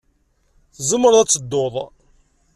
Tzemreḍ ad tedduḍ.